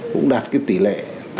cũng đạt tỷ lệ tám mươi sáu ba mươi bảy